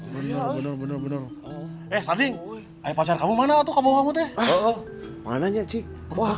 bener bener bener bener eh sading pacar kamu mana tuh kamu hamutnya mana ya cik wah